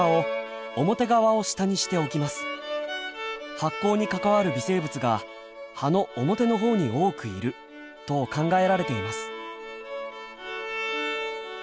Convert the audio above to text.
発酵に関わる微生物が葉の表のほうに多くいると考えられています。